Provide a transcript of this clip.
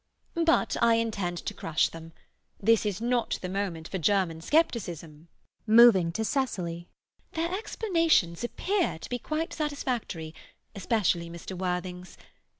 But I intend to crush them. This is not the moment for German scepticism. [Moving to Cecily.] Their explanations appear to be quite satisfactory, especially Mr. Worthing's.